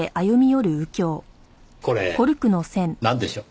これなんでしょう？